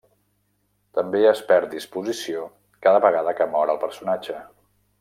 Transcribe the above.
També es perd disposició cada vegada que mor el personatge.